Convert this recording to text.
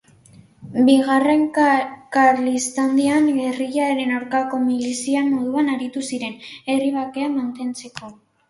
Bigarren Karlistaldian gerrillaren aurkako milizia moduan aritu ziren, herri-bakea mantentzeko.